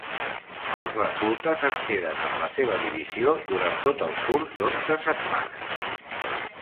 Els reclutes es queden amb la seva divisió durant tot el curs d'onze setmanes.